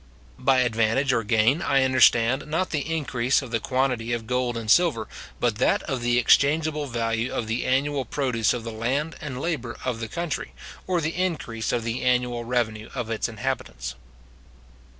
By advantage or gain, I understand, not the increase of the quantity of gold and silver, but that of the exchangeable value of the annual produce of the land and labour of the country, or the increase of the annual revenue of its inhabitants.